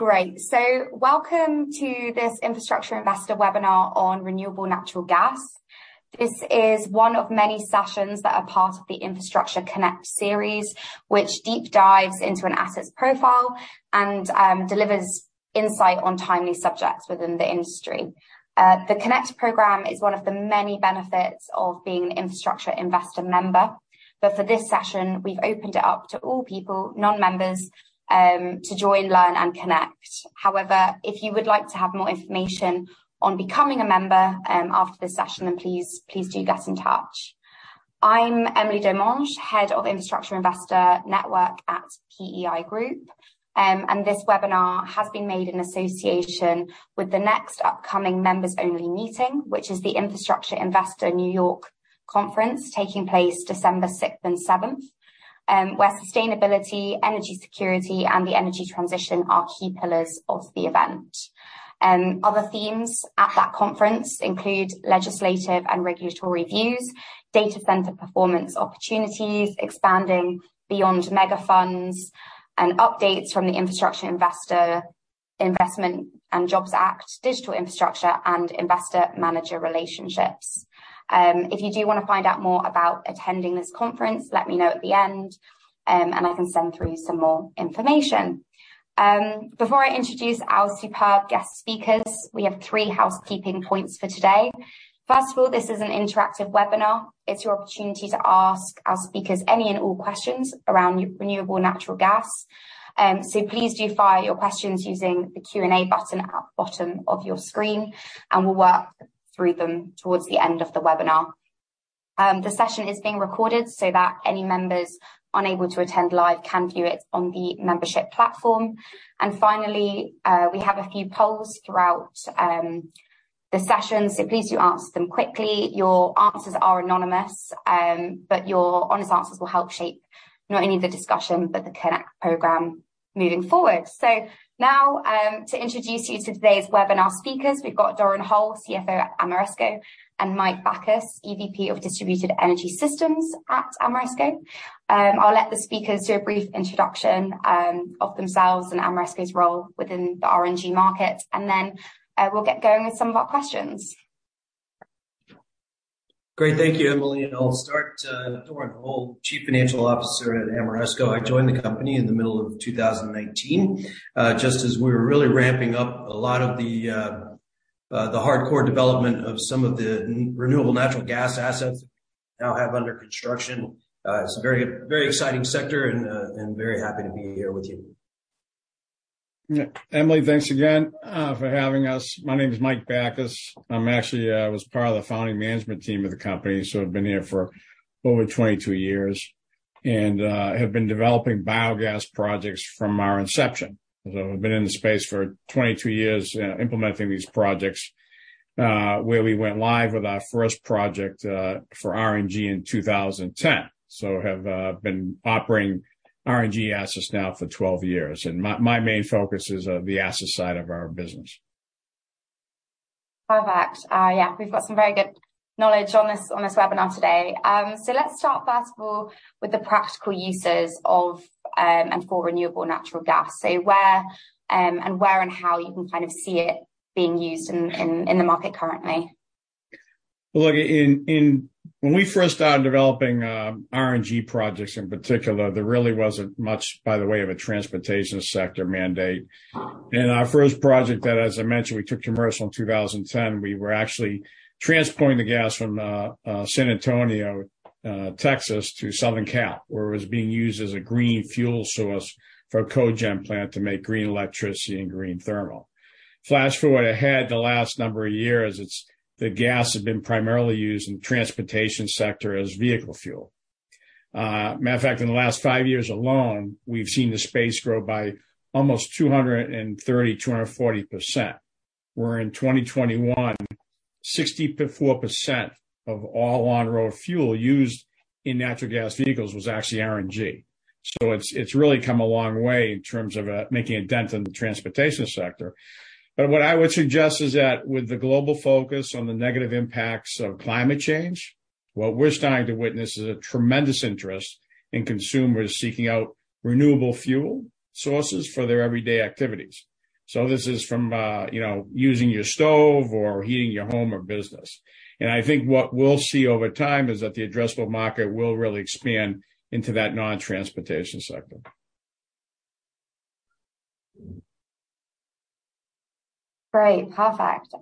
Great! Welcome to this Infrastructure Investor webinar on renewable natural gas. This is one of many sessions that are part of the Infrastructure Connect series, which deep dives into an assets profile and delivers insight on timely subjects within the industry. The Connect program is one of the many benefits of being an Infrastructure Investor member, but for this session, we've opened it up to all people, non-members, to join, learn, and connect. However, if you would like to have more information on becoming a member, after this session, then please do get in touch. I'm Emily DeMasi, Head of Infrastructure Investor Network at PEI Group. This webinar has been made in association with the next upcoming members-only meeting, which is the Infrastructure Investor New York Conference, taking place December 6th and 7th, where sustainability, energy security, and the energy transition are key pillars of the event. Other themes at that conference include legislative and regulatory views, data center performance opportunities, expanding beyond mega funds, and updates from the Infrastructure Investment and Jobs Act, digital infrastructure, and investor-manager relationships. If you do want to find out more about attending this conference, let me know at the end, and I can send through some more information. Before I introduce our superb guest speakers, we have three housekeeping points for today. First of all, this is an interactive webinar. It's your opportunity to ask our speakers any and all questions around renewable natural gas. Please do fire your questions using the Q&A button at the bottom of your screen, and we'll work through them towards the end of the webinar. The session is being recorded so that any members unable to attend live can view it on the membership platform. Finally, we have a few polls throughout the session, please do answer them quickly. Your answers are anonymous, your honest answers will help shape not only the discussion but the Connect program moving forward. Now, to introduce you to today's webinar speakers, we've got Doran Hole, CFO at Ameresco, and Michael Bakas, EVP of Distributed Energy Systems at Ameresco. I'll let the speakers do a brief introduction of themselves and Ameresco's role within the RNG market, then we'll get going with some of our questions. Great. Thank you, Emily DeMasi, and I'll start. Doran Hole, Chief Financial Officer at Ameresco. I joined the company in the middle of 2018, just as we were really ramping up a lot of the hardcore development of some of the renewable natural gas assets we now have under construction. It's a very, very exciting sector and very happy to be here with you. Yeah. Emily DeMasi, thanks again for having us. My name is Michael Bakas. I'm actually was part of the founding management team of the company, so I've been here for over 22 years and have been developing biogas projects from our inception. I've been in the space for 22 years, implementing these projects, where we went live with our first project for RNG in 2010. I've been operating RNG assets now for 12 years, and my main focus is the asset side of our business. Perfect. Yeah, we've got some very good knowledge on this webinar today. Let's start first of all, with the practical uses of, and for renewable natural gas. Where and where and how you can kind of see it being used in the market currently? Look, when we first started developing RNG projects in particular, there really wasn't much by the way of a transportation sector mandate. In our first project that, as I mentioned, we took commercial in 2010, we were actually transporting the gas from San Antonio, Texas, to Southern Cal, where it was being used as a green fuel source for a cogen plant to make green electricity and green thermal. Flash forward ahead the last number of years, the gas has been primarily used in the transportation sector as vehicle fuel. Matter of fact, in the last five years alone, we've seen the space grow by almost 230%-240%, where in 2021, 64% of all on-road fuel used in natural gas vehicles was actually RNG. It's really come a long way in terms of making a dent in the transportation sector. What I would suggest is that with the global focus on the negative impacts of climate change, what we're starting to witness is a tremendous interest in consumers seeking out renewable fuel sources for their everyday activities. This is from, you know, using your stove or heating your home or business. I think what we'll see over time is that the addressable market will really expand into that non-transportation sector. Great. Perfect.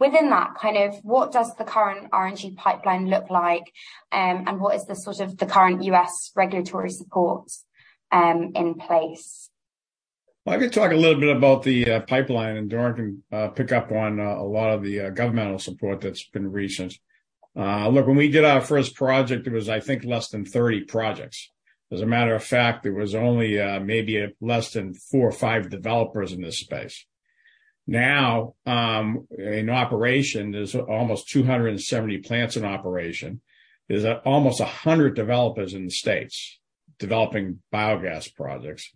Within that, kind of, what does the current RNG pipeline look like, and what is the, sort of, the current U.S. regulatory support in place? I could talk a little bit about the pipeline, and Doran Hole can pick up on a lot of the governmental support that's been recent. Look, when we did our first project, it was, I think, less than 30 projects. As a matter of fact, there was only maybe less than four or five developers in this space. Now, in operation, there's almost 270 plants in operation. There's almost 100 developers in the States developing biogas projects.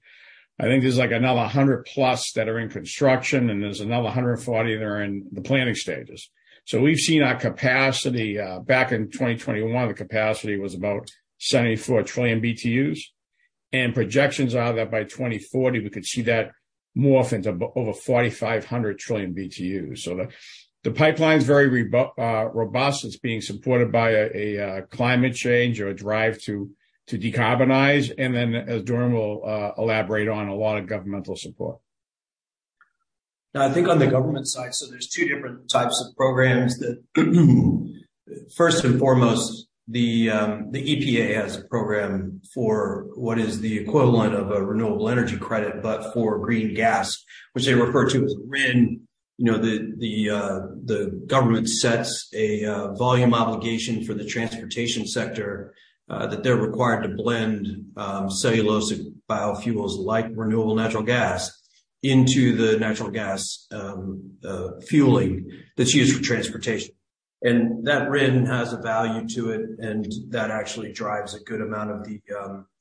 I think there's, like, another 100+ that are in construction, and there's another 140 that are in the planning stages. We've seen our capacity, back in 2021, the capacity was about 74 trillion BTUs. And projections are that by 2040, we could see that morph into over 4,500 trillion BTUs. The pipeline is very robust. It's being supported by a climate change or a drive to decarbonize. As Doran Hole will elaborate on a lot of governmental support. I think on the government side, there's two different types of programs that, first and foremost, the EPA has a program for what is the equivalent of a Renewable Energy Certificate, but for green gas, which they refer to as RIN. You know, the government sets a volume obligation for the transportation sector that they're required to blend cellulosic biofuels, like renewable natural gas, into the natural gas fueling that's used for transportation. That RIN has a value to it, and that actually drives a good amount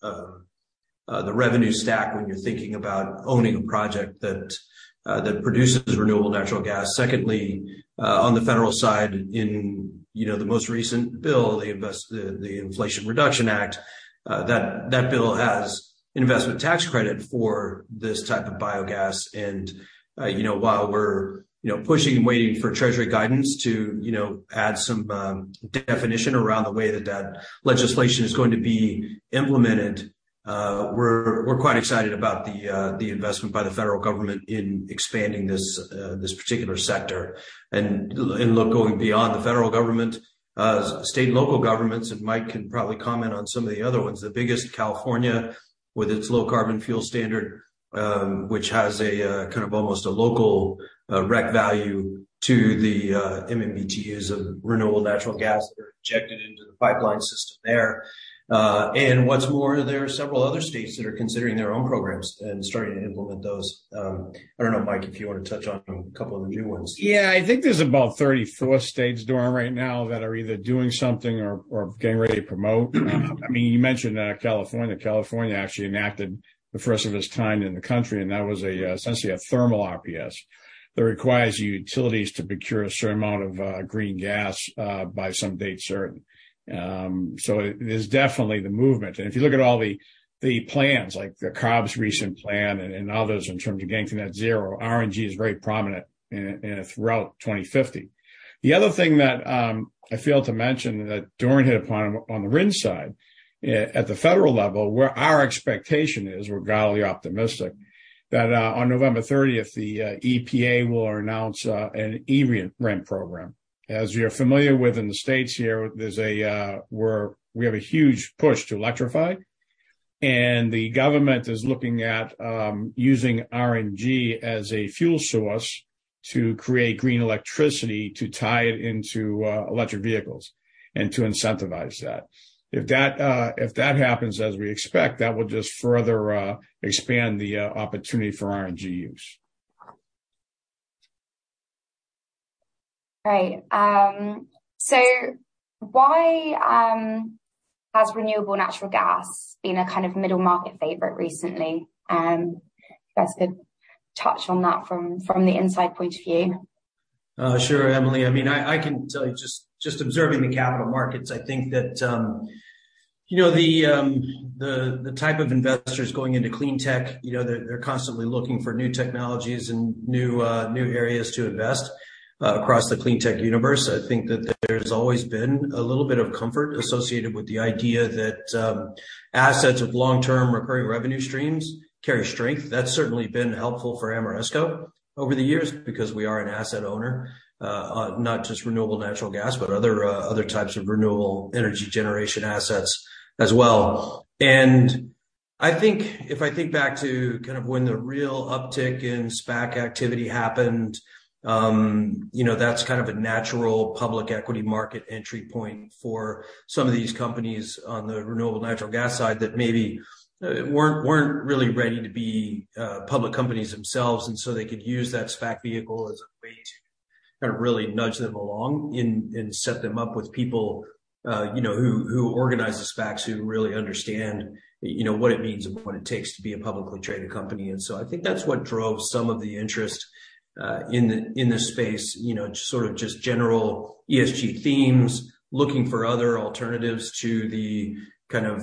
of the revenue stack when you're thinking about owning a project that produces renewable natural gas. Secondly, on the federal side, in, you know, the most recent bill, the Inflation Reduction Act, that bill has Investment Tax Credit for this type of biogas. You know, while we're, you know, pushing and waiting for treasury guidance to, you know, add some definition around the way that that legislation is going to be implemented, we're quite excited about the investment by the federal government in expanding this particular sector. Look, going beyond the federal government, state and local governments, and Mike can probably comment on some of the other ones. The biggest, California, with its Low Carbon Fuel Standard, which has a kind of almost a local REC value to the MMBtu of renewable natural gas that are injected into the pipeline system there. What's more, there are several other states that are considering their own programs and starting to implement those. I don't know, Mike, if you want to touch on a couple of the new ones. I think there's about 34 states, Doran, right now, that are either doing something or getting ready to promote. I mean, you mentioned California. California actually enacted the first of its kind in the country, and that was essentially a thermal RPS, that requires utilities to procure a certain amount of green gas by some date certain. It is definitely the movement. If you look at all the plans, like the CARB recent plan and others, in terms of getting to net zero, RNG is very prominent in throughout 2050. The other thing that I failed to mention, that Doran hit upon on the RIN side, at the federal level, where our expectation is, we're guardedly optimistic, that on November 30th, the EPA will announce an eRIN program. As you're familiar with in the States here, we have a huge push to electrify. The government is looking at using RNG as a fuel source to create green electricity, to tie it into electric vehicles and to incentivize that. If that happens as we expect, that will just further expand the opportunity for RNG use. Great. Why, has renewable natural gas been a kind of middle market favorite recently? You guys could touch on that from the inside point of view. Sure, Emily. I mean, I can tell you just observing the capital markets, I think that, you know, the type of investors going into clean tech, you know, they're constantly looking for new technologies and new areas to invest across the clean tech universe. I think that there's always been a little bit of comfort associated with the idea that assets of long-term recurring revenue streams carry strength. That's certainly been helpful for Ameresco over the years because we are an asset owner, not just renewable natural gas, but other types of renewable energy generation assets as well. I think if I think back to kind of when the real uptick in SPAC activity happened, you know, that's kind of a natural public equity market entry point for some of these companies on the renewable natural gas side that maybe weren't really ready to be public companies themselves. They could use that SPAC vehicle as a way to kind of really nudge them along and set them up with people, you know, who organize the SPACs, who really understand, you know, what it means and what it takes to be a publicly traded company. I think that's what drove some of the interest in the, in this space. You know, sort of just general ESG themes, looking for other alternatives to the kind of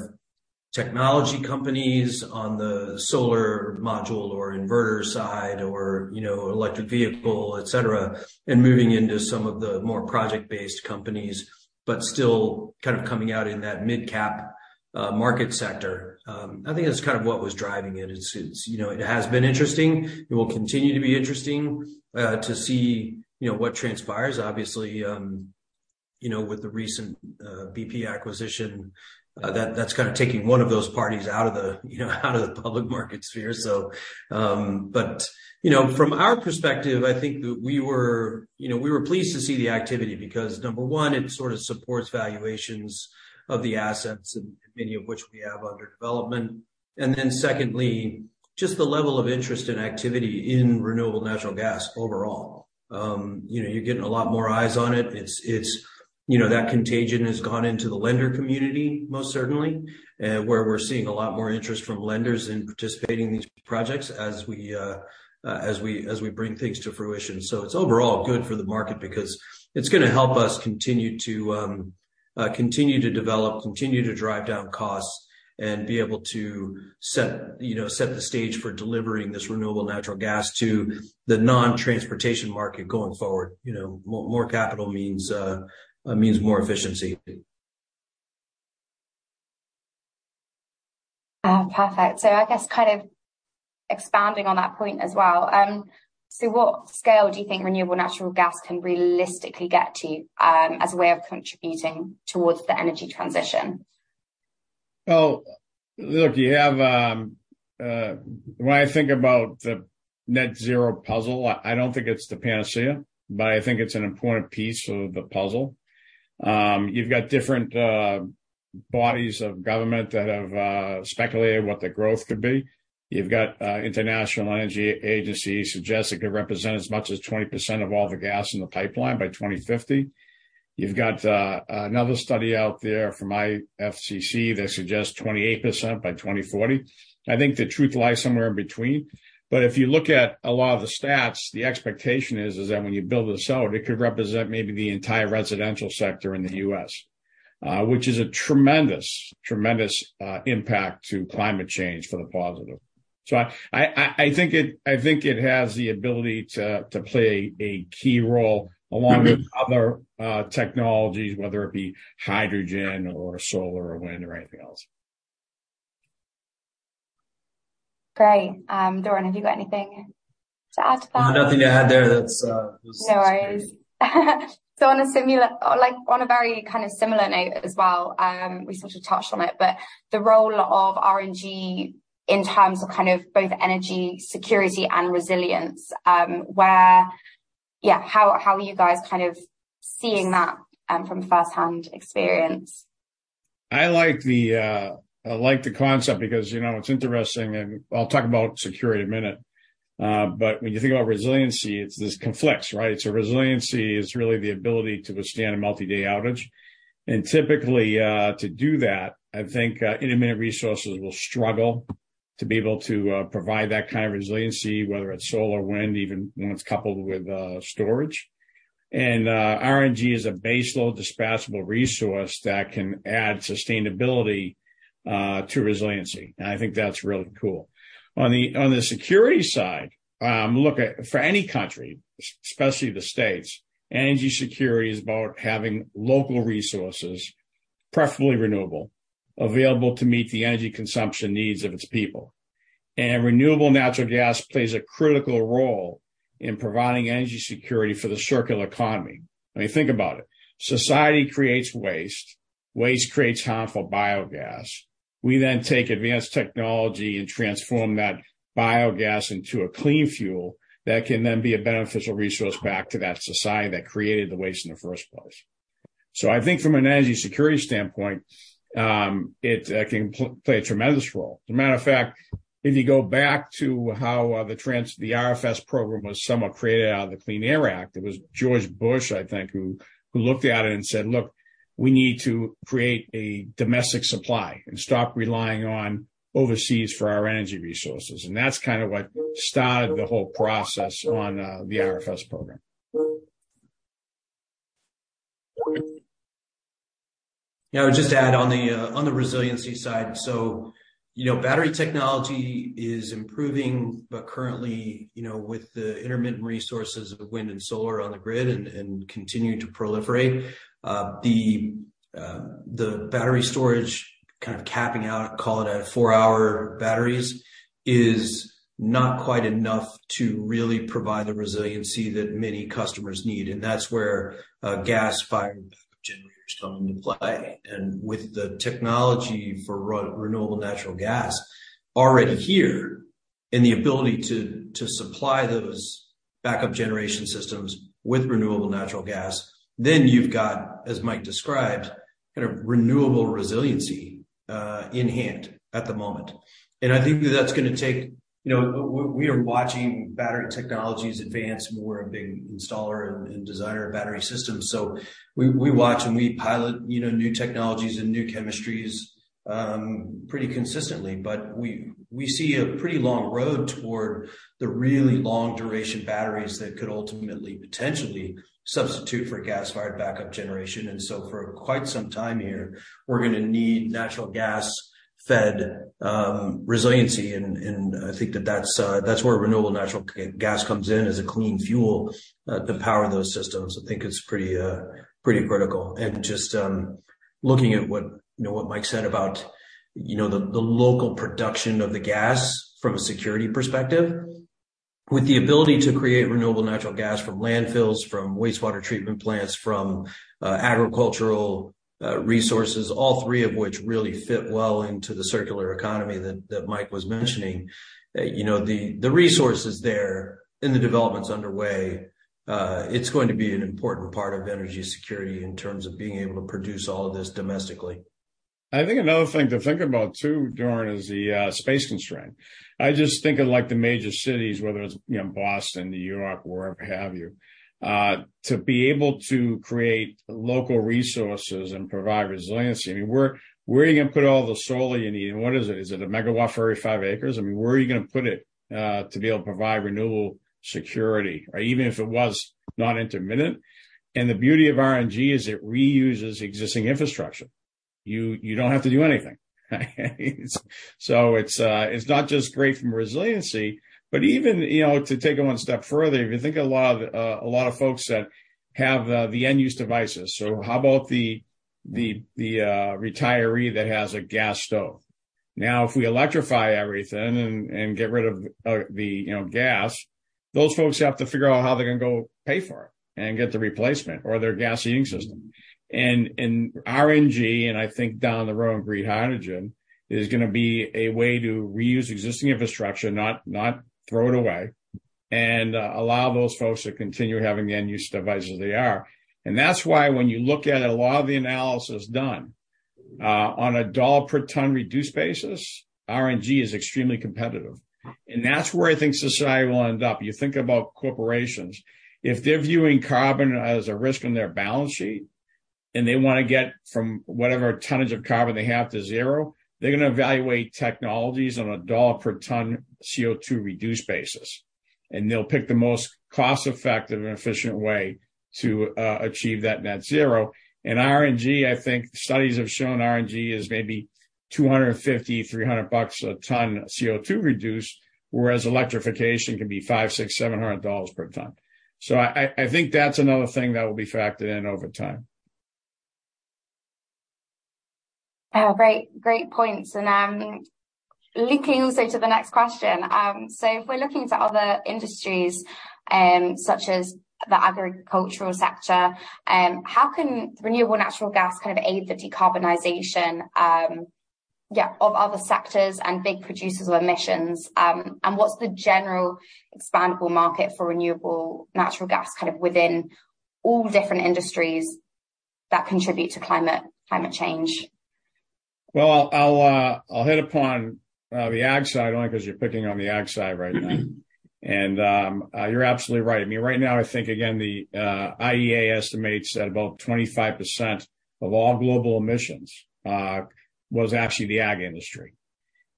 technology companies on the solar module or inverter side or, you know, electric vehicle, et cetera, and moving into some of the more project-based companies, but still kind of coming out in that mid-cap market sector. I think that's kind of what was driving it. It's, you know, it has been interesting and will continue to be interesting, to see, you know, what transpires. Obviously, you know, with the recent BP acquisition, that's kind of taking one of those parties out of the, you know, out of the public market sphere. From our perspective, I think that we were, you know, we were pleased to see the activity because, number one, it sort of supports valuations of the assets, and many of which we have under development. Secondly, just the level of interest and activity in Renewable Natural Gas overall. You know, you're getting a lot more eyes on it. It's, you know, that contagion has gone into the lender community, most certainly, where we're seeing a lot more interest from lenders in participating in these projects as we bring things to fruition. It's overall good for the market because it's gonna help us continue to develop, continue to drive down costs, and be able to set, you know, set the stage for delivering this renewable natural gas to the non-transportation market going forward. You know, more capital means means more efficiency. Perfect. I guess kind of expanding on that point as well, what scale do you think renewable natural gas can realistically get to, as a way of contributing towards the energy transition? Look, you have. When I think about the net zero puzzle, I don't think it's the panacea, but I think it's an important piece of the puzzle. You've got different bodies of government that have speculated what the growth could be. You've got International Energy Agency suggests it could represent as much as 20% of all the gas in the pipeline by 2050. You've got another study out there from IPCC that suggests 28% by 2040. I think the truth lies somewhere in between. If you look at a lot of the stats, the expectation is that when you build this out, it could represent maybe the entire residential sector in the U.S., which is a tremendous impact to climate change for the positive. I think it has the ability to play a key role along with other technologies, whether it be hydrogen or solar or wind or anything else. Great. Doran, have you got anything to add to that? Nothing to add there. That's was great. No worries. On a like, on a very kind of similar note as well, we sort of touched on it, but the role of RNG in terms of kind of both energy security and resilience, Yeah, how are you guys kind of seeing that from firsthand experience? I like the, I like the concept because, you know, it's interesting, and I'll talk about security in a minute. When you think about resiliency, this conflicts, right? Resiliency is really the ability to withstand a multi-day outage. Typically, to do that, I think, intermittent resources will struggle to be able to provide that kind of resiliency, whether it's solar, wind, even when it's coupled with storage. RNG is a baseload, dispatchable resource that can add sustainability to resiliency, and I think that's really cool. On the, on the security side, look, for any country, especially the States, energy security is about having local resources, preferably renewable, available to meet the energy consumption needs of its people. Renewable natural gas plays a critical role in providing energy security for the circular economy. I mean, think about it. Society creates waste creates harmful biogas. We then take advanced technology and transform that biogas into a clean fuel that can then be a beneficial resource back to that society that created the waste in the first place. I think from an energy security standpoint, it can play a tremendous role. As a matter of fact, if you go back to how the RFS program was somewhat created out of the Clean Air Act, it was George Bush, I think, who looked at it and said: "Look, we need to create a domestic supply and stop relying on overseas for our energy resources." That's kind of what started the whole process on the RFS program. Yeah, I would just add on the on the resiliency side. You know, battery technology is improving, but currently, you know, with the intermittent resources of wind and solar on the grid and continuing to proliferate, the the battery storage kind of capping out, call it at 4-hour batteries, is not quite enough to really provide the resiliency that many customers need, and that's where gas-fired backup generators come into play. With the technology for renewable natural gas already here, and the ability to supply those backup generation systems with renewable natural gas, you've got, as Mike described, kind of renewable resiliency in hand at the moment. I think that's gonna take... You know, we are watching battery technologies advance. We're a big installer and designer of battery systems, so we watch and we pilot, you know, new technologies and new chemistries, pretty consistently. We see a pretty long road toward the really long-duration batteries that could ultimately, potentially substitute for gas-fired backup generation. For quite some time here, we're gonna need natural gas-fed resiliency, and I think that that's where renewable natural gas comes in as a clean fuel to power those systems. I think it's pretty critical. Just, looking at what, you know, what Mike said about, you know, the local production of the gas from a security perspective, with the ability to create renewable natural gas from landfills, from wastewater treatment plants, from agricultural resources, all three of which really fit well into the circular economy that Mike was mentioning. You know, the resources there and the developments underway, it's going to be an important part of energy security in terms of being able to produce all of this domestically. I think another thing to think about too, Doran, is the space constraint. I just think of like the major cities, whether it's, you know, Boston, New York, wherever have you, to be able to create local resources and provide resiliency, I mean, where are you gonna put all the solar you need? What is it? Is it a megawatt for every five acres? I mean, where are you gonna put it to be able to provide renewable security, even if it was not intermittent? The beauty of RNG is it reuses existing infrastructure. You don't have to do anything. It's not just great from resiliency, but even, you know, to take it 1 step further, if you think a lot of folks that have the end-use devices. How about the retiree that has a gas stove? If we electrify everything and get rid of, you know, gas, those folks have to figure out how they're gonna go pay for it and get the replacement or their gas heating system. RNG, and I think down the road, green hydrogen, is gonna be a way to reuse existing infrastructure, not throw it away, and allow those folks to continue having the end-use devices they are. That's why when you look at a lot of the analysis done on a dollar per ton reduced basis, RNG is extremely competitive. That's where I think society will end up. You think about corporations, if they're viewing carbon as a risk on their balance sheet, and they wanna get from whatever tonnage of carbon they have to zero, they're gonna evaluate technologies on a dollar per ton CO₂ reduced basis, and they'll pick the most cost-effective and efficient way to achieve that net zero. RNG, I think studies have shown RNG is maybe $250-$300 a ton of CO₂ reduced, whereas electrification can be $500-$700 per ton. I think that's another thing that will be factored in over time. Oh, great points. Linking also to the next question, if we're looking to other industries, such as the agricultural sector, how can renewable natural gas kind of aid the decarbonization of other sectors and big producers of emissions? What's the general expandable market for renewable natural gas, kind of within all different industries that contribute to climate change? Well, I'll hit upon the ag side only 'cause you're picking on the ag side right now. You're absolutely right. I mean, right now, I think, again, the IEA estimates that about 25% of all global emissions was actually the ag industry.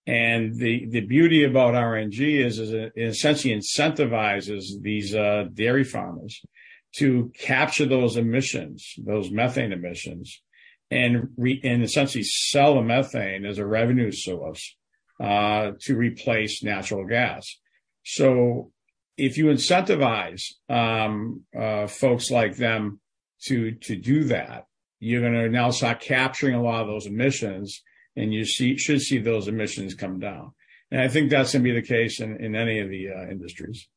The beauty about RNG is it essentially incentivizes these dairy farmers to capture those emissions, those methane emissions, and essentially sell the methane as a revenue source to replace natural gas. If you incentivize folks like them to do that, you're gonna now start capturing a lot of those emissions, and you should see those emissions come down. I think that's gonna be the case in any of the industries.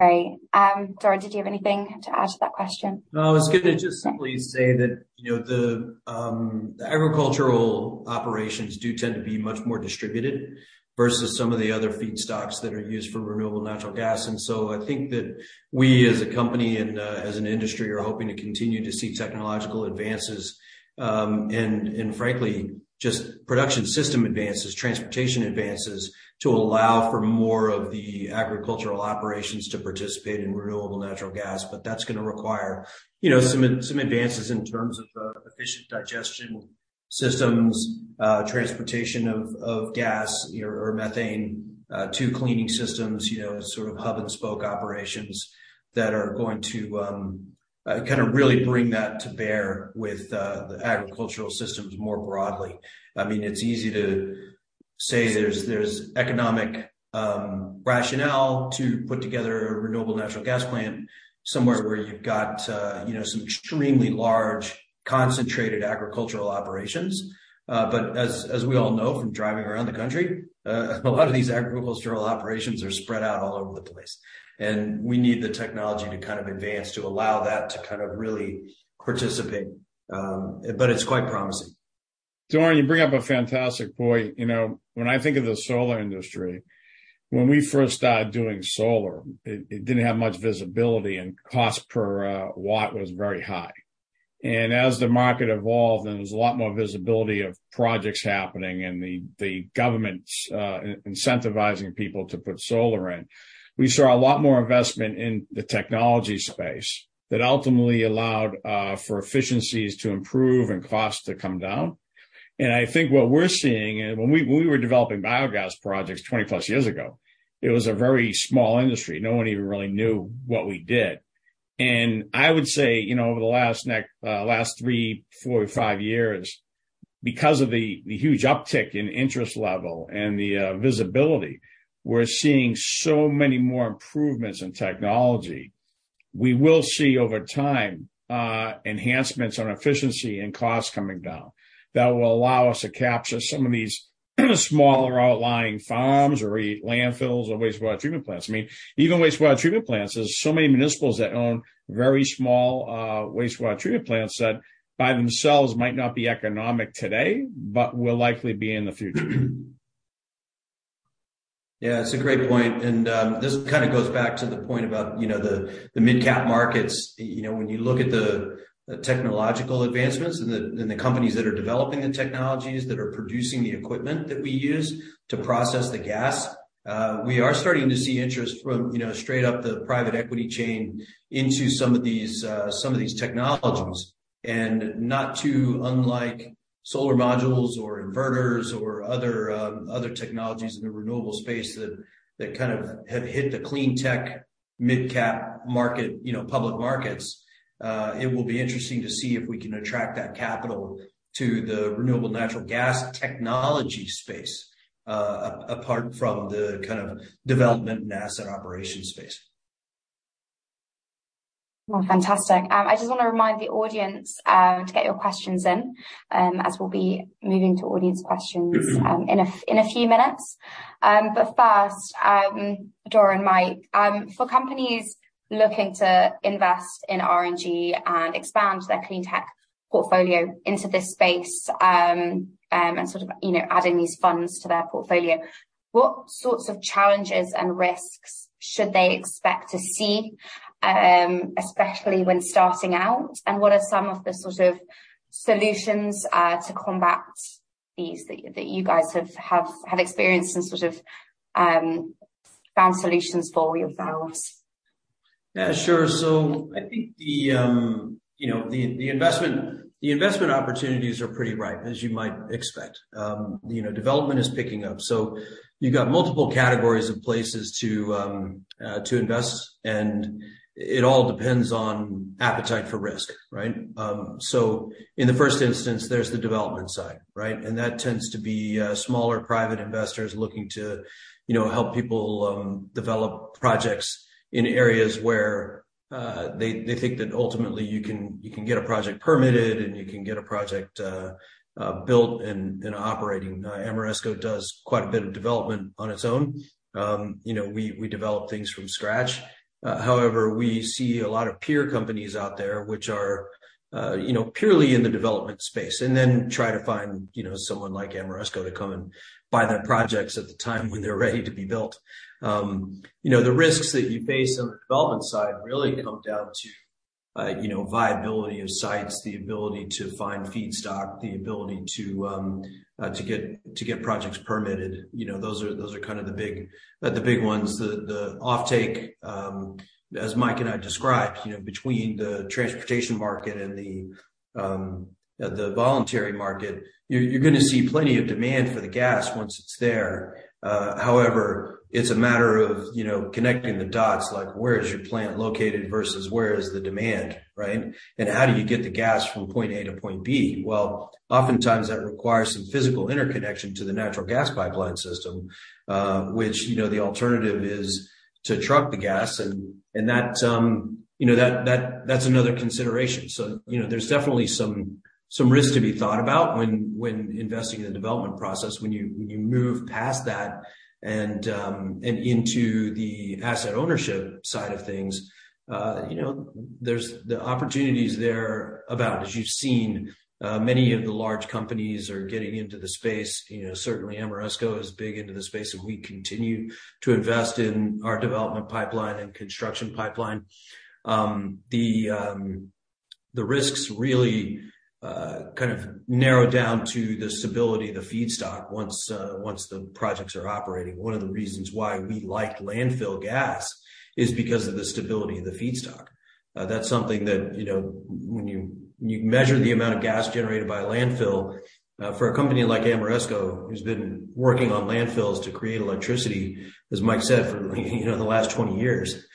Great. Doran, did you have anything to add to that question? No, I was gonna just simply say that, you know, the agricultural operations do tend to be much more distributed versus some of the other feedstocks that are used for renewable natural gas. I think that we, as a company and as an industry, are hoping to continue to see technological advances, and frankly, just production system advances, transportation advances, to allow for more of the agricultural operations to participate in renewable natural gas. That's gonna require, you know, some advances in terms of efficient digestion systems, transportation of gas or methane to cleaning systems, you know, sort of hub-and-spoke operations that are going to kinda really bring that to bear with the agricultural systems more broadly. I mean, it's easy to say there's economic rationale to put together a renewable natural gas plant somewhere where you've got, you know, some extremely large, concentrated agricultural operations. As we all know from driving around the country, a lot of these agricultural operations are spread out all over the place, and we need the technology to kind of advance to allow that to kind of really participate. It's quite promising. Dorn, you bring up a fantastic point. You know, when I think of the solar industry, when we first started doing solar, it didn't have much visibility, and cost per watt was very high. As the market evolved, and there was a lot more visibility of projects happening and the governments incentivizing people to put solar in, we saw a lot more investment in the technology space that ultimately allowed for efficiencies to improve and costs to come down. I think what we're seeing, and when we were developing biogas projects 20+ years ago, it was a very small industry. No one even really knew what we did. I would say, you know, over the last three, four, five, years, because of the huge uptick in interest level and the visibility, we're seeing so many more improvements in technology. We will see over time enhancements on efficiency and costs coming down that will allow us to capture some of these, smaller outlying farms or landfills or wastewater treatment plants. I mean, even wastewater treatment plants, there's so many municipals that own very small wastewater treatment plants that by themselves might not be economic today but will likely be in the future. Yeah, it's a great point, and, this kind of goes back to the point about, you know, the mid-cap markets. You know, when you look at the technological advancements and the, and the companies that are developing the technologies, that are producing the equipment that we use to process the gas, we are starting to see interest from, you know, straight up the private equity chain into some of these, some of these technologies. Not too unlike solar modules or inverters or other technologies in the renewable space that kind of have hit the clean tech mid-cap market, you know, public markets. It will be interesting to see if we can attract that capital to the renewable natural gas technology space, apart from the kind of development and asset operation space. Well, fantastic. I just want to remind the audience to get your questions in as we'll be moving to audience questions. Mm-hmm. in a few minutes. First, Dora and Mike, for companies looking to invest in RNG and expand their cleantech portfolio into this space, and sort of, you know, adding these funds to their portfolio, what sorts of challenges and risks should they expect to see, especially when starting out? What are some of the sort of solutions to combat these, that you guys have experienced and sort of found solutions for yourselves? Yeah, sure. I think the, you know, the investment opportunities are pretty ripe, as you might expect. You know, development is picking up. You've got multiple categories of places to invest, and it all depends on appetite for risk, right? In the first instance, there's the development side, right? That tends to be smaller, private investors looking to, you know, help people develop projects in areas where they think that ultimately you can get a project permitted, and you can get a project built and operating. Ameresco does quite a bit of development on its own. You know, we develop things from scratch. However, we see a lot of peer companies out there, which are, you know, purely in the development space, then try to find, you know, someone like Ameresco to come and buy their projects at the time when they're ready to be built. You know, the risks that you face on the development side really come down to, you know, viability of sites, the ability to find feedstock, the ability to get projects permitted. You know, those are kind of the big ones. The offtake, as Mike and I described, you know, between the transportation market and the voluntary market, you're going to see plenty of demand for the gas once it's there. However, it's a matter of, you know, connecting the dots, like where is your plant located versus where is the demand, right? How do you get the gas from point A to point B? Well, oftentimes that requires some physical interconnection to the natural gas pipeline system, which, you know, the alternative is to truck the gas and that, you know, that's another consideration. You know, there's definitely some risk to be thought about when investing in the development process. When you move past that and into the asset ownership side of things, you know, there's The opportunities there are about, as you've seen, many of the large companies are getting into the space. You know, certainly Ameresco is big into the space. We continue to invest in our development pipeline and construction pipeline. The risks really kind of narrow down to the stability of the feedstock once the projects are operating. One of the reasons why we like landfill gas is because of the stability of the feedstock. That's something that, you know, when you measure the amount of gas generated by a landfill, for a company like Ameresco, who's been working on landfills to create electricity, as Mike said, for, you know, the last 20 years,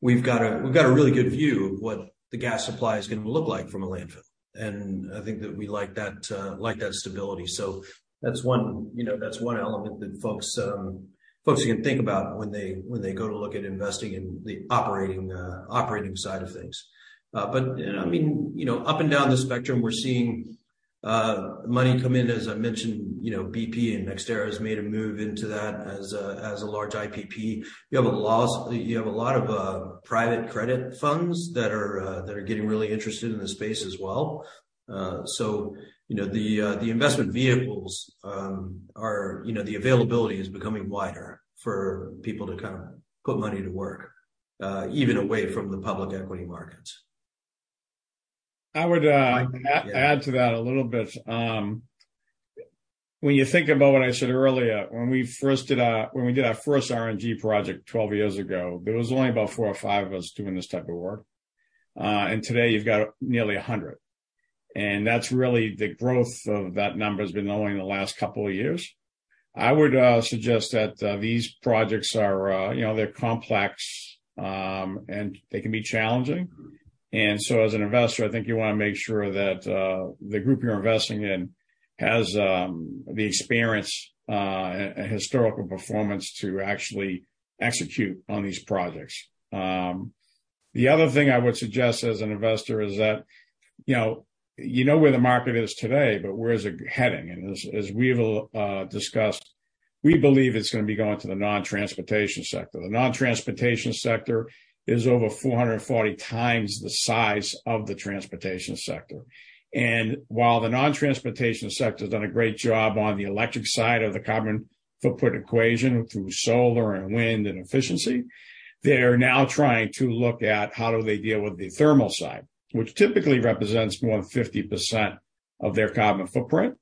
we've got a really good view of what the gas supply is going to look like from a landfill, and I think that we like that stability. That's one, you know, that's one element that folks can think about when they, when they go to look at investing in the operating side of things. You know, I mean, you know, up and down the spectrum, we're seeing, money come in. As I mentioned, you know, BP and NextEra has made a move into that as a, as a large IPP. You have a lot of, private credit funds that are, that are getting really interested in this space as well. You know, the investment vehicles, are, you know, the availability is becoming wider for people to kind of put money to work, even away from the public equity markets. I would add to that a little bit. When you think about what I said earlier, when we did our first RNG project 12 years ago, there was only about four or five of us doing this type of work. Today you've got nearly 100, and that's really the growth of that number has been only in the last couple of years. I would suggest that these projects are, you know, they're complex, and they can be challenging. As an investor, I think you want to make sure that the group you're investing in has the experience and historical performance to actually execute on these projects. The other thing I would suggest as an investor is that, you know where the market is today, where is it heading? As we've discussed, we believe it's going to be going to the non-transportation sector. The non-transportation sector is over 440 times the size of the transportation sector. While the non-transportation sector has done a great job on the electric side of the carbon footprint equation through solar and wind and efficiency, they are now trying to look at how do they deal with the thermal side, which typically represents more than 50% of their carbon footprint.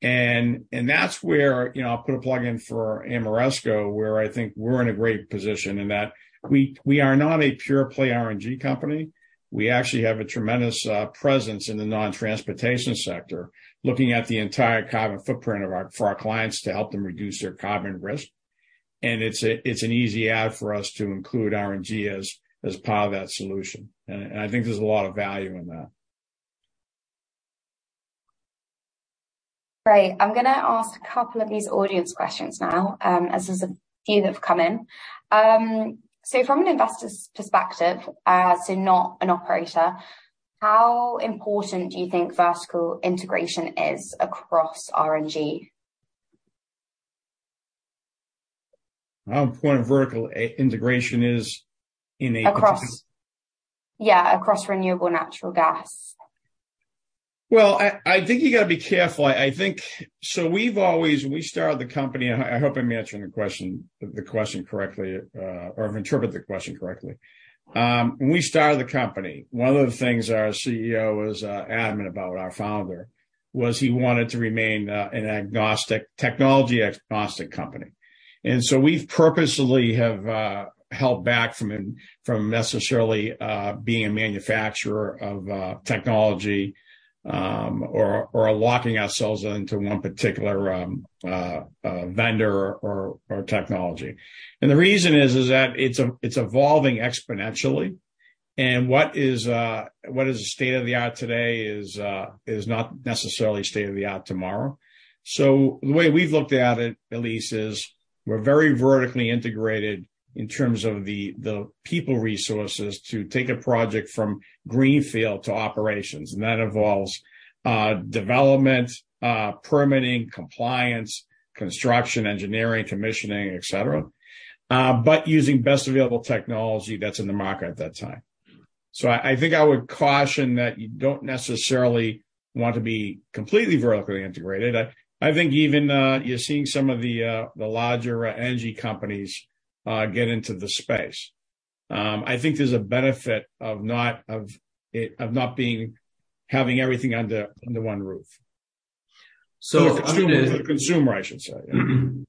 That's where, you know, I'll put a plug in for Ameresco, where I think we're in a great position, in that we are not a pure play RNG company. We actually have a tremendous presence in the non-transportation sector, looking at the entire carbon footprint for our clients to help them reduce their carbon risk. It's an easy add for us to include RNG as part of that solution. I think there's a lot of value in that. Great. I'm gonna ask a couple of these audience questions now, as there's a few that have come in. From an investor's perspective, so not an operator, how important do you think vertical integration is across RNG? How important vertical integration is in. Yeah, across renewable natural gas. I think you got to be careful. I think we've always We started the company, and I hope I'm answering the question correctly, or I've interpreted the question correctly. When we started the company, one of the things our CEO was adamant about, our founder, was he wanted to remain an agnostic, technology agnostic company. We've purposefully have held back from necessarily being a manufacturer of technology, or locking ourselves into one particular vendor or technology. The reason is that it's evolving exponentially, and what is the state-of-the-art today is not necessarily state-of-the-art tomorrow. The way we've looked at it, at least, is we're very vertically integrated in terms of the people resources to take a project from greenfield to operations. That involves development, permitting, compliance, construction, engineering, commissioning, et cetera, but using best available technology that's in the market at that time. I think I would caution that you don't necessarily want to be completely vertically integrated. I think even, you're seeing some of the larger energy companies, get into the space. I think there's a benefit of not having everything under one roof. So- The consumer, I should say.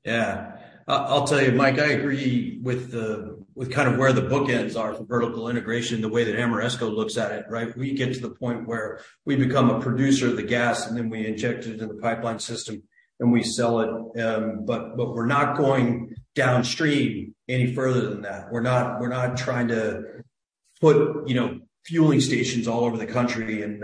Yeah. I'll tell you, Mike, I agree with the, with kind of where the bookends are for vertical integration, the way that Ameresco looks at it, right? We get to the point where we become a producer of the gas, and then we inject it into the pipeline system, and we sell it. We're not going downstream any further than that. We're not trying to put, you know, fueling stations all over the country and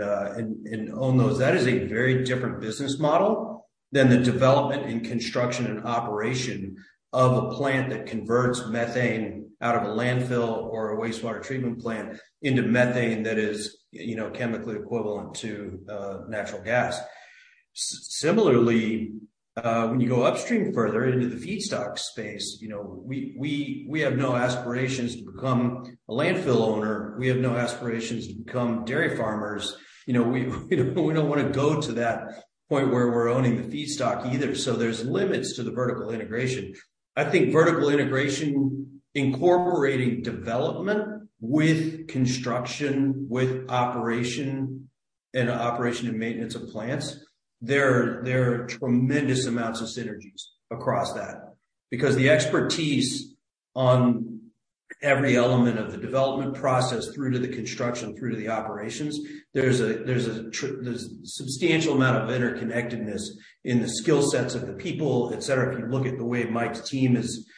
own those. That is a very different business model than the development and construction and operation of a plant that converts methane out of a landfill or a wastewater treatment plant into methane that is, you know, chemically equivalent to natural gas. Similarly, when you go upstream further into the feedstock space, you know, we have no aspirations to become a landfill owner. We have no aspirations to become dairy farmers. You know, we don't want to go to that point where we're owning the feedstock either, so there's limits to the vertical integration. I think vertical integration, incorporating development with construction, with operation, and operation and maintenance of plants, there are tremendous amounts of synergies across that. Because the expertise on every element of the development process through to the construction, through to the operations, there's a substantial amount of interconnectedness in the skill sets of the people, et cetera. If you look at the way Mike's team is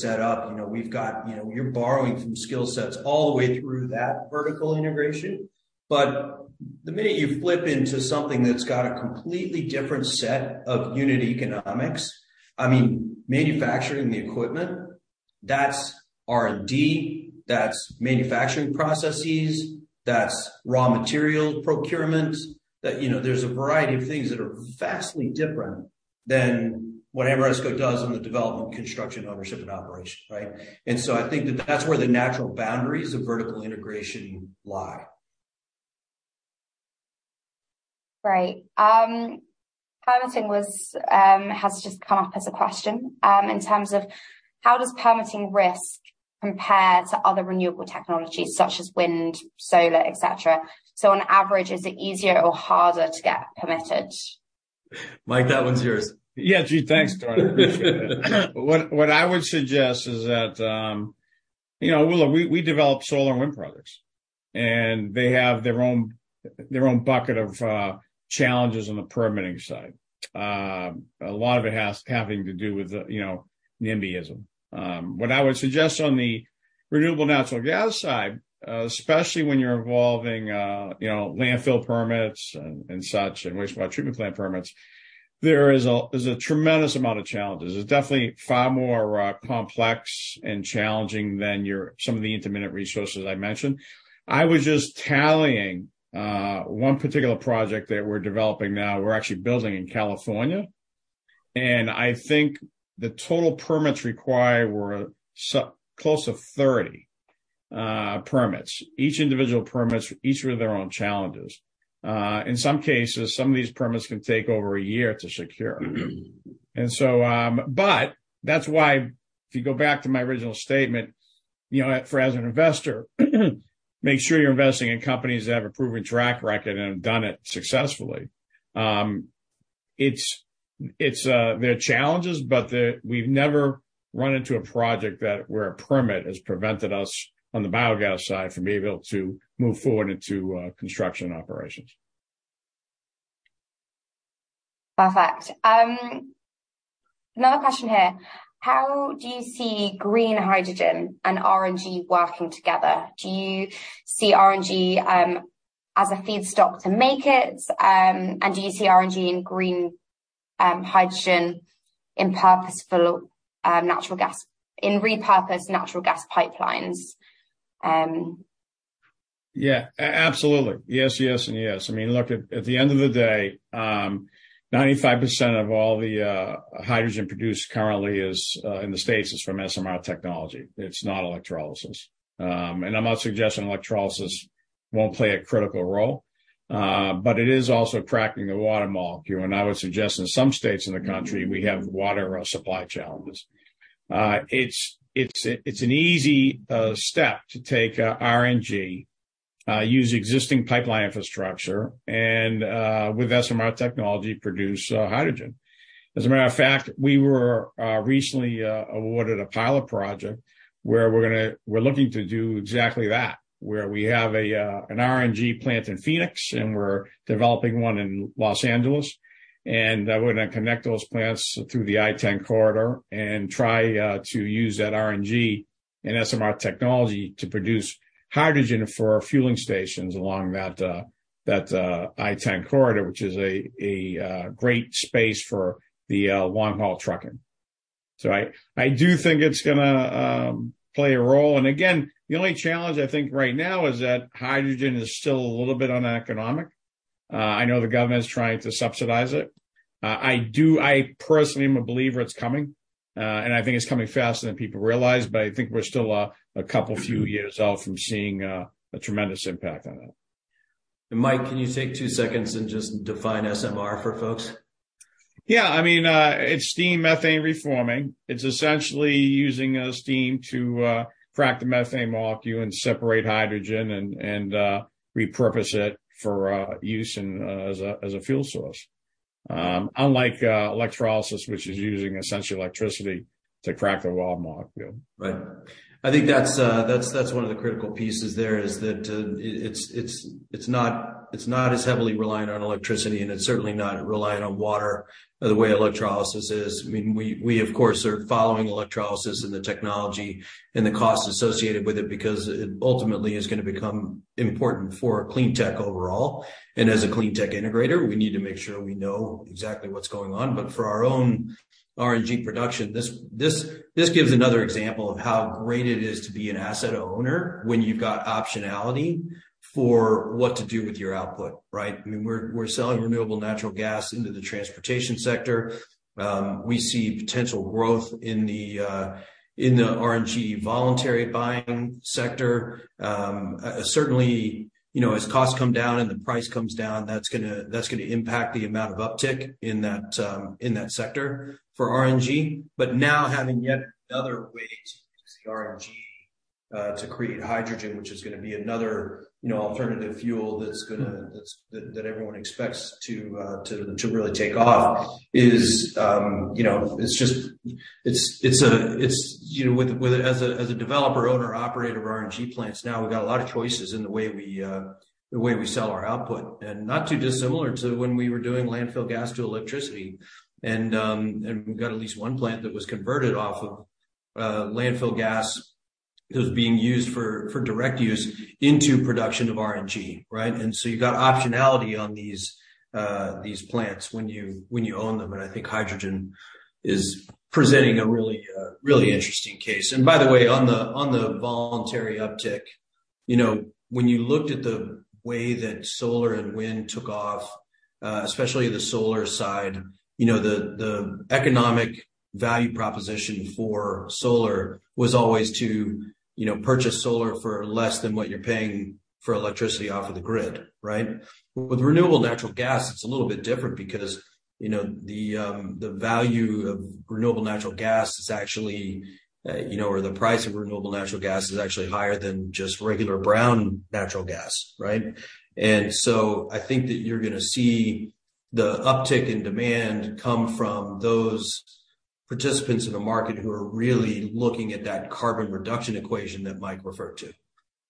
set up, you know, we've got, you're borrowing from skill sets all the way through that vertical integration. The minute you flip into something that's got a completely different set of unit economics, I mean, manufacturing the equipment, that's R&D, that's manufacturing processes, that's raw material procurement. That, you know, there's a variety of things that are vastly different than what Ameresco does in the development, construction, ownership, and operation, right? I think that that's where the natural boundaries of vertical integration lie. Great. Permitting was has just come up as a question in terms of how does permitting risk compare to other renewable technologies such as wind, solar, et cetera? On average, is it easier or harder to get permitted? Mike, that one's yours. Yeah, gee, thanks, Tony. What I would suggest is that, you know, well, look, we develop solar and wind products, and they have their own bucket of challenges on the permitting side. A lot of it has having to do with the, you know, NIMBYism. What I would suggest on the renewable natural gas side, especially when you're involving, you know, landfill permits and such, and wastewater treatment plant permits, there's a tremendous amount of challenges. It's definitely far more complex and challenging than some of the intermittent resources I mentioned. I was just tallying one particular project that we're developing now. We're actually building in California, and I think the total permits required were so close to 30 permits. Each individual permits, each with their own challenges. In some cases, some of these permits can take over a year to secure. That's why, if you go back to my original statement, you know, as for an investor, make sure you're investing in companies that have a proven track record and have done it successfully. It's, there are challenges, but we've never run into a project that, where a permit has prevented us on the biogas side from being able to move forward into construction and operations. Perfect. Another question here: How do you see green hydrogen and RNG working together? Do you see RNG as a feedstock to make it? Do you see RNG and green hydrogen in repurposed natural gas pipelines? Yeah, absolutely. Yes, yes, and yes. I mean, look, at the end of the day, 95% of all the hydrogen produced currently is in the States, is from SMR technology. It's not electrolysis. I'm not suggesting electrolysis won't play a critical role, but it is also cracking the water molecule. I would suggest in some states in the country, we have water supply challenges. It's an easy step to take RNG, use existing pipeline infrastructure and with SMR technology, produce hydrogen. As a matter of fact, we were recently awarded a pilot project where we're looking to do exactly that, where we have an RNG plant in Phoenix, and we're developing one in Los Angeles, and we're gonna connect those plants through the I-10 corridor and try to use that RNG and SMR technology to produce hydrogen for our fueling stations along that I-10 corridor, which is a great space for the long-haul trucking. I do think it's gonna play a role, and again, the only challenge I think right now is that hydrogen is still a little bit uneconomic. I know the government is trying to subsidize it. I do... I personally am a believer it's coming, and I think it's coming faster than people realize, but I think we're still a couple, few years out from seeing a tremendous impact on it. Mike, can you take two seconds and just define SMR for folks? Yeah. I mean, it's Steam Methane Reforming. It's essentially using steam to crack the methane molecule and separate hydrogen and repurpose it for use in as a fuel source. Unlike electrolysis, which is using essentially electricity to crack the water molecule. Right. I think that's one of the critical pieces there, is that it's not as heavily reliant on electricity, and it's certainly not reliant on water the way electrolysis is. I mean, we, of course, are following electrolysis and the technology and the costs associated with it because it ultimately is gonna become important for clean tech overall. As a clean tech integrator, we need to make sure we know exactly what's going on. For our own RNG production, this gives another example of how great it is to be an asset owner when you've got optionality for what to do with your output, right? I mean, we're selling renewable natural gas into the transportation sector. We see potential growth in the RNG voluntary buying sector. Certainly, you know, as costs come down and the price comes down, that's gonna impact the amount of uptick in that sector for RNG. Now, having yet another way to use the RNG to create hydrogen, which is gonna be another, you know, alternative fuel that everyone expects to really take off, is, you know, as a developer, owner, operator of RNG plants, now we've got a lot of choices in the way we the way we sell our output. Not too dissimilar to when we were doing landfill gas to electricity, and we've got at least one plant that was converted off of landfill gas that was being used for direct use into production of RNG, right? You've got optionality on these plants when you own them, and I think hydrogen is presenting a really interesting case. By the way, on the voluntary uptick, you know, when you looked at the way that solar and wind took off, especially the solar side, you know, the economic value proposition for solar was always to, you know, purchase solar for less than what you're paying for electricity off of the grid, right? With renewable natural gas, it's a little bit different because, you know, the value of renewable natural gas is actually, you know, or the price of renewable natural gas is actually higher than just regular brown natural gas, right? I think that you're gonna see the uptick in demand come from those participants in the market who are really looking at that carbon reduction equation that Mike referred to,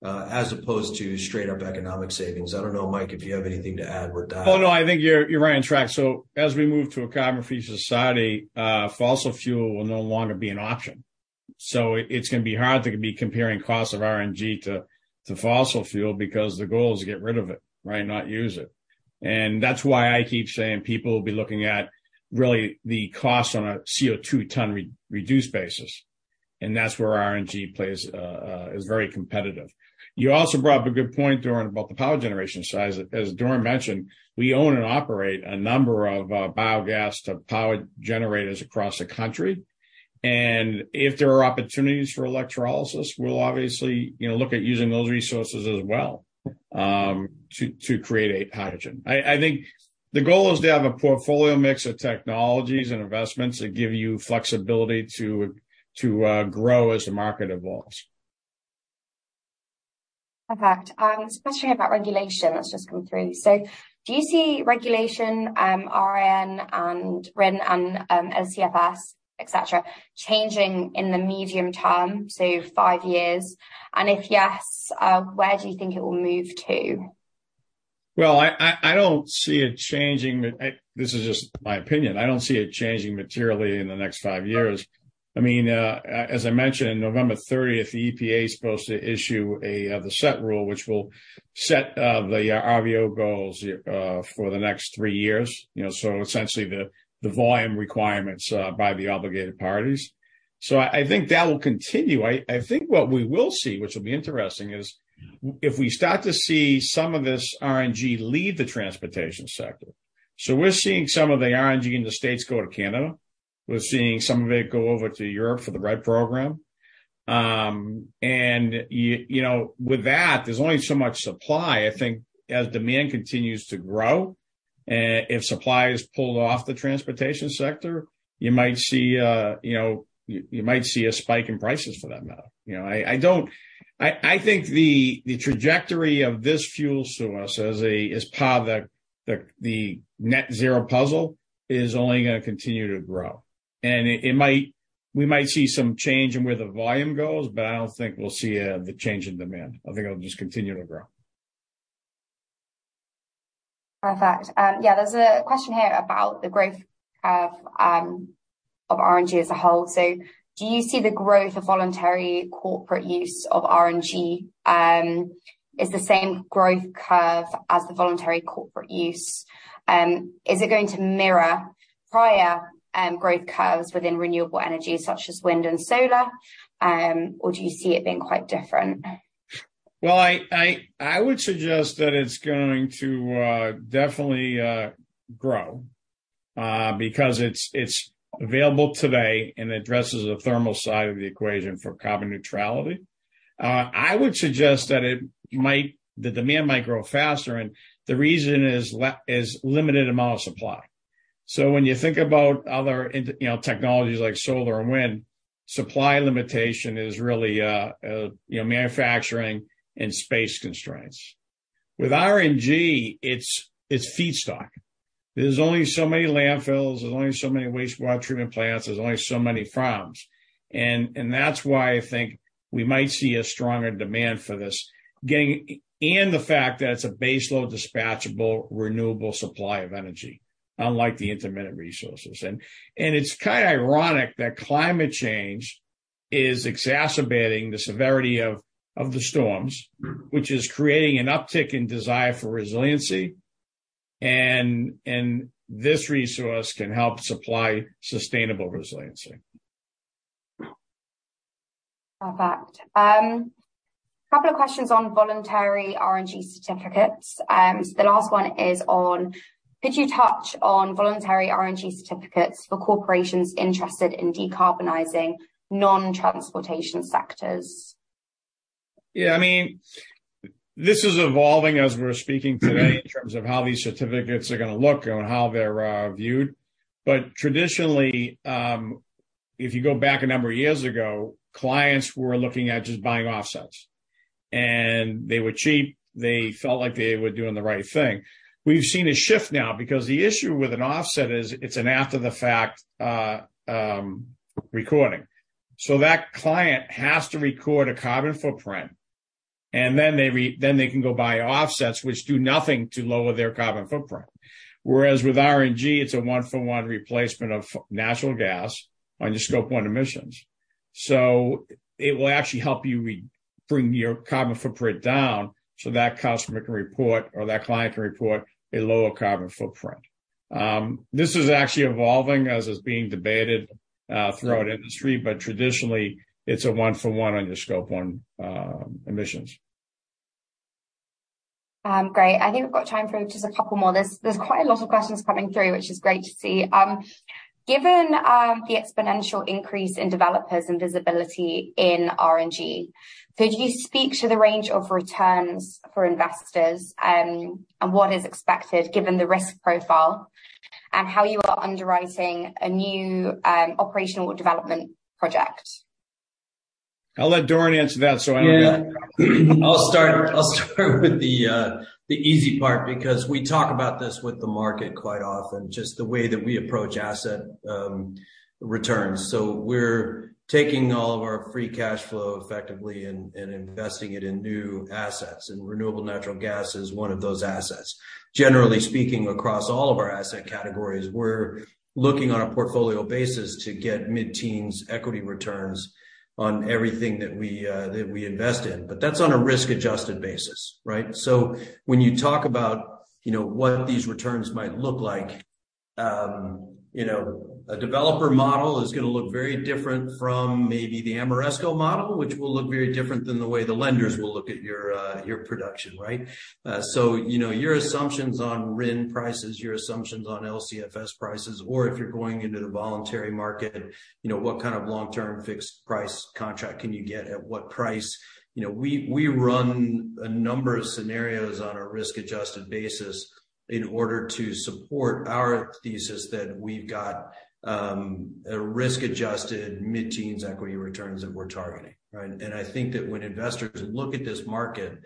as opposed to straight-up economic savings. I don't know, Mike, if you have anything to add with that. Oh, no, I think you're right on track. As we move to a carbon-free society, fossil fuel will no longer be an option. It's gonna be hard to be comparing costs of RNG to fossil fuel because the goal is to get rid of it, right? Not use it. That's why I keep saying people will be looking at really the cost on a CO₂ ton re-reduce basis, and that's where RNG plays is very competitive. You also brought up a good point, Doran, about the power generation size. As Doran mentioned, we own and operate a number of biogas to power generators across the country. If there are opportunities for electrolysis, we'll obviously, you know, look at using those resources as well to create a hydrogen. I think the goal is to have a portfolio mix of technologies and investments that give you flexibility to grow as the market evolves. Perfect. There's a question about regulation that's just come through. Do you see regulation, RIN and LCFS, et cetera, changing in the medium term, say, five years? If yes, where do you think it will move to? Well, I don't see it changing. This is just my opinion. I don't see it changing materially in the next 5 years. I mean, as I mentioned, November 30th, the EPA is supposed to issue the Set Rule, which will set the RVO goals for the next three years. You know, essentially, the volume requirements by the obligated parties. I think that will continue. I think what we will see, which will be interesting, is if we start to see some of this RNG leave the transportation sector. We're seeing some of the RNG in the States go to Canada. We're seeing some of it go over to Europe for the RED program. You know, with that, there's only so much supply. I think as demand continues to grow and if supply is pulled off the transportation sector, you might see, you know, you might see a spike in prices for that matter. You know, I think the trajectory of this fuel source as a, as part of the, the net zero puzzle, is only gonna continue to grow. We might see some change in where the volume goes, but I don't think we'll see the change in demand. I think it'll just continue to grow. Perfect. Yeah, there's a question here about the growth curve of RNG as a whole. Do you see the growth of voluntary corporate use of RNG is the same growth curve as the voluntary corporate use? Is it going to mirror prior growth curves within renewable energy, such as wind and solar? Or do you see it being quite different? Well, I would suggest that it's going to definitely grow because it's available today and addresses the thermal side of the equation for carbon neutrality. I would suggest that it might, the demand might grow faster, and the reason is limited amount of supply. When you think about other in, you know, technologies like solar and wind, supply limitation is really, you know, manufacturing and space constraints. With RNG, it's feedstock. There's only so many landfills, there's only so many wastewater treatment plants, there's only so many farms. And that's why I think we might see a stronger demand for this getting and the fact that it's a baseload, dispatchable, renewable supply of energy, unlike the intermittent resources. It's kind of ironic that climate change is exacerbating the severity of the storms, which is creating an uptick in desire for resiliency, and this resource can help supply sustainable resiliency. Perfect. A couple of questions on voluntary RNG certificates. The last one is on: could you touch on voluntary RNG certificates for corporations interested in decarbonizing non-transportation sectors? I mean, this is evolving as we're speaking today in terms of how these certificates are gonna look and how they're viewed. Traditionally, if you go back a number of years ago, clients were looking at just buying offsets, and they were cheap. They felt like they were doing the right thing. We've seen a shift now because the issue with an offset is, it's an after-the-fact recording. That client has to record a carbon footprint, and then they can go buy offsets, which do nothing to lower their carbon footprint. Whereas with RNG, it's a one-for-one replacement of natural gas on your Scope 1 emissions. It will actually help you bring your carbon footprint down so that customer can report or that client can report a lower carbon footprint. This is actually evolving as it's being debated, throughout industry, but traditionally, it's a one-for-one on your Scope 1 emissions. Great. I think we've got time for just a couple more. There's quite a lot of questions coming through, which is great to see. Given the exponential increase in developers and visibility in RNG, could you speak to the range of returns for investors, and what is expected, given the risk profile, and how you are underwriting a new operational development project? I'll let Doran answer that, so I don't get- Yeah. I'll start with the easy part because we talk about this with the market quite often, just the way that we approach asset returns. We're taking all of our free cash flow effectively and investing it in new assets, and renewable natural gas is one of those assets. Generally speaking, across all of our asset categories, we're looking on a portfolio basis to get mid-teens equity returns on everything that we invest in. But that's on a risk-adjusted basis, right? When you talk about, you know, what these returns might look like, you know, a developer model is gonna look very different from maybe the Ameresco model, which will look very different than the way the lenders will look at your production, right? You know, your assumptions on RIN prices, your assumptions on LCFS prices, or if you're going into the voluntary market, you know, what kind of long-term fixed price contract can you get, at what price? You know, we run a number of scenarios on a risk-adjusted basis in order to support our thesis that we've got a risk-adjusted mid-teens equity returns that we're targeting, right? I think that when investors look at this market,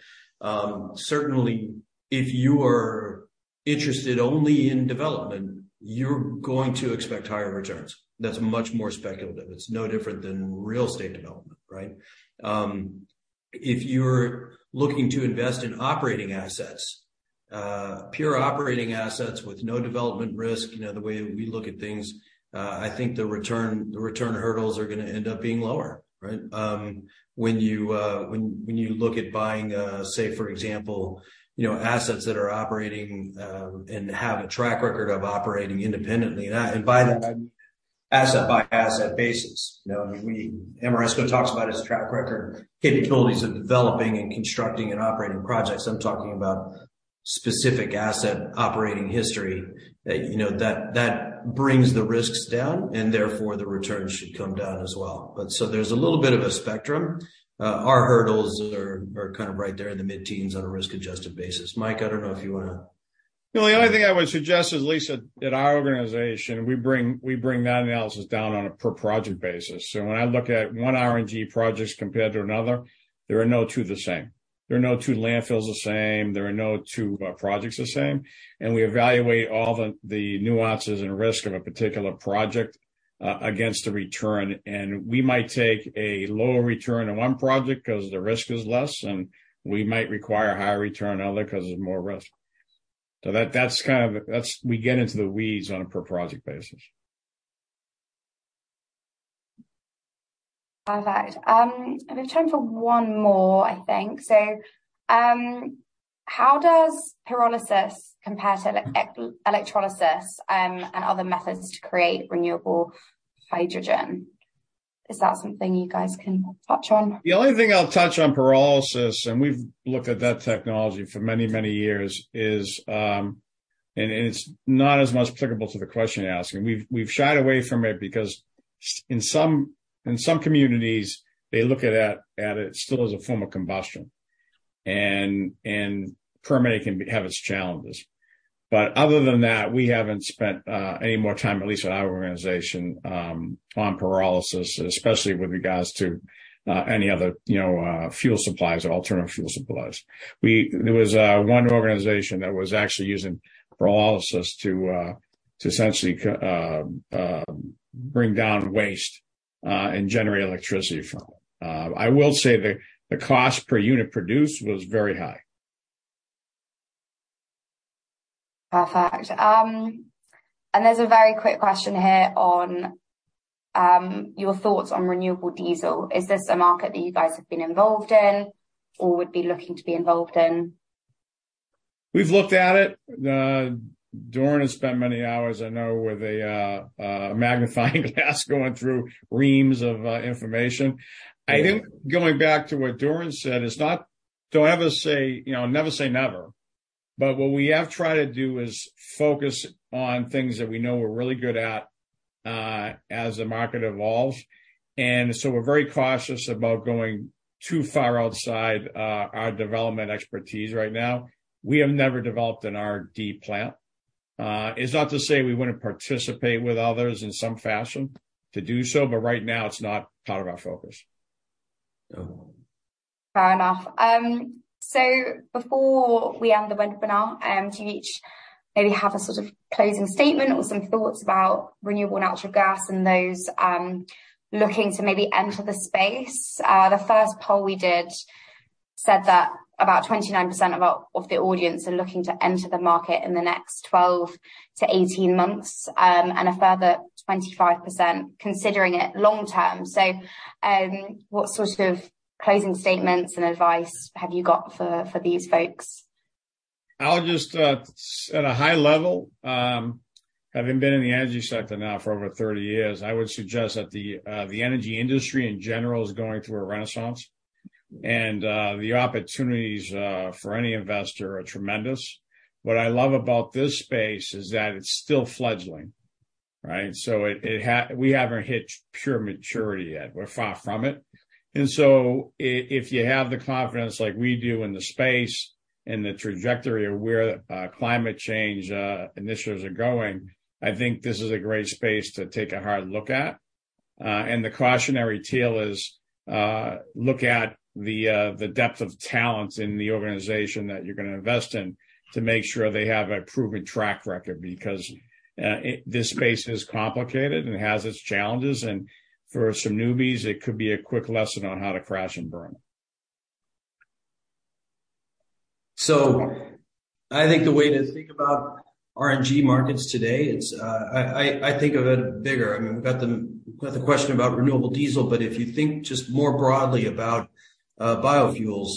certainly if you are interested only in development, you're going to expect higher returns. That's much more speculative. It's no different than real estate development, right? If you're looking to invest in operating assets, pure operating assets with no development risk, you know, the way we look at things, I think the return hurdles are gonna end up being lower, right? When you look at buying, say, for example, you know, assets that are operating, and have a track record of operating independently, and by that, asset-by-asset basis. You know, I mean, Ameresco talks about its track record, capabilities of developing and constructing and operating projects. I'm talking about specific asset operating history, you know, that brings the risks down, and therefore the returns should come down as well. There's a little bit of a spectrum. Our hurdles are kind of right there in the mid-teens on a risk-adjusted basis. Mike, I don't know if you wanna. The only thing I would suggest is, Lisa, at our organization, we bring that analysis down on a per project basis. When I look at one RNG projects compared to another, there are no two the same. There are no two landfills the same, there are no two projects the same, and we evaluate all the nuances and risk of a particular project against the return. We might take a lower return on one project 'cause the risk is less, and we might require a higher return on other 'cause there's more risk. We get into the weeds on a per project basis. Perfect. We have time for one more, I think. How does pyrolysis compare to electrolysis and other methods to create renewable hydrogen? Is that something you guys can touch on? The only thing I'll touch on pyrolysis, and we've looked at that technology for many, many years, is, and it's not as much applicable to the question you're asking. We've shied away from it because in some communities, they look at that, at it still as a form of combustion, and permitting can have its challenges. Other than that, we haven't spent any more time, at least at our organization, on pyrolysis, especially with regards to any other, you know, fuel supplies or alternative fuel supplies. There was one organization that was actually using pyrolysis to essentially bring down waste and generate electricity from it. I will say the cost per unit produced was very high. Perfect. There's a very quick question here on your thoughts on renewable diesel. Is this a market that you guys have been involved in or would be looking to be involved in? We've looked at it. Doran has spent many hours, I know, with a magnifying glass, going through reams of information. I think going back to what Doran said, Don't ever say, you know, never say never. What we have tried to do is focus on things that we know we're really good at, as the market evolves, and so we're very cautious about going too far outside our development expertise right now. We have never developed an RD plant. It's not to say we wouldn't participate with others in some fashion to do so, but right now it's not part of our focus. No. Fair enough. Before we end the webinar, do you each maybe have a sort of closing statement or some thoughts about renewable natural gas and those looking to maybe enter the space? The first poll we did said that about 29% of the audience are looking to enter the market in the next 12 months-18 months, and a further 25% considering it long term. What sort of closing statements and advice have you got for these folks? I'll just, at a high level, having been in the energy sector now for over 30 years, I would suggest that the energy industry in general is going through a renaissance, and the opportunities for any investor are tremendous. What I love about this space is that it's still fledgling, right? We haven't hit pure maturity yet. We're far from it. If you have the confidence like we do in the space and the trajectory of where climate change initiatives are going, I think this is a great space to take a hard look at. The cautionary tale is, look at the depth of talent in the organization that you're gonna invest in to make sure they have a proven track record, because, it, this space is complicated and has its challenges, and for some newbies, it could be a quick lesson on how to crash and burn. I think the way to think about RNG markets today, it's I think of it bigger. I mean, we've got the question about renewable diesel, but if you think just more broadly about biofuels,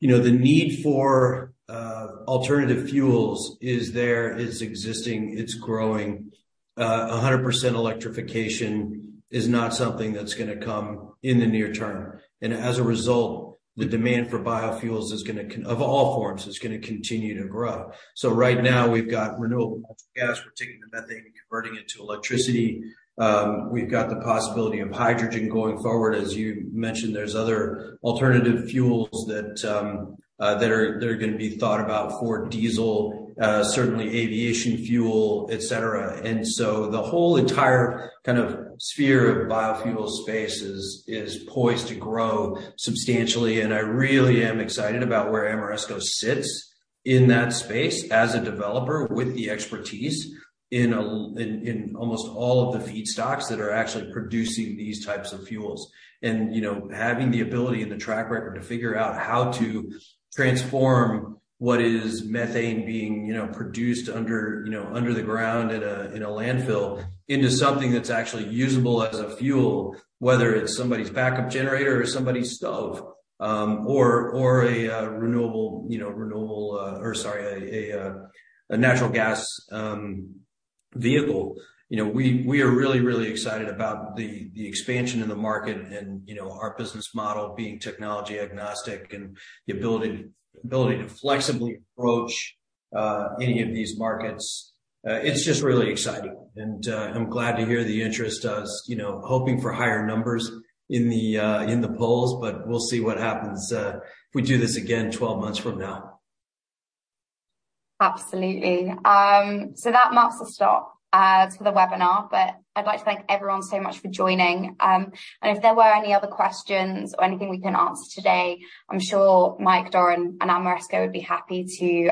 you know, the need for alternative fuels is there, it's existing, it's growing. 100% electrification is not something that's gonna come in the near term, and as a result, the demand for biofuels of all forms, is gonna continue to grow. Right now, we've got renewable natural gas. We're taking the methane and converting it to electricity. We've got the possibility of hydrogen going forward. As you mentioned, there's other alternative fuels that are gonna be thought about for diesel, certainly aviation fuel, et cetera. The whole entire kind of sphere of biofuel space is poised to grow substantially, and I really am excited about where Ameresco sits in that space as a developer with the expertise in almost all of the feedstocks that are actually producing these types of fuels. You know, having the ability and the track record to figure out how to transform what is methane being produced under the ground in a landfill, into something that's actually usable as a fuel, whether it's somebody's backup generator or somebody's stove, or a natural gas vehicle. You know, we are really, really excited about the expansion in the market and, you know, our business model being technology agnostic and the ability to flexibly approach any of these markets. It's just really exciting, and I'm glad to hear the interest as, you know, hoping for higher numbers in the polls, but we'll see what happens if we do this again 12 months from now. Absolutely. That marks the stop for the webinar. I'd like to thank everyone so much for joining. If there were any other questions or anything we can answer today, I'm sure Mike, Doran, and Ameresco would be happy to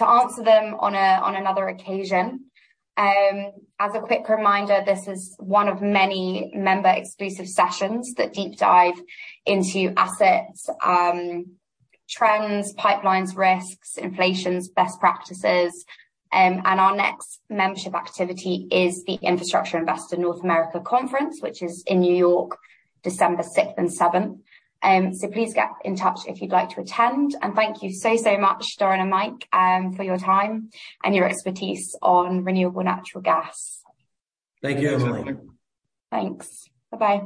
answer them on another occasion. As a quick reminder, this is one of many member-exclusive sessions that deep dive into assets, trends, pipelines, risks, inflations, best practices. Our next membership activity is the Infrastructure Investor North America conference, which is in New York, December 6th and 7th. Please get in touch if you'd like to attend. Thank you so much, Doran and Mike, for your time and your expertise on renewable natural gas. Thank you, everybody. Thanks. Bye-bye.